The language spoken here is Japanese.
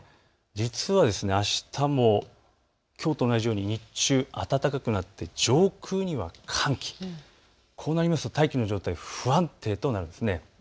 実はあしたもきょうと同じように日中、暖かくなって上空には寒気、こうなりますと大気の状態、不安定となります。